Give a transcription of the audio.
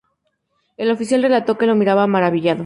El oficial relató que lo miraba maravillado.